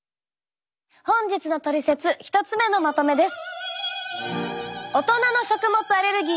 本日のトリセツ１つ目のまとめです。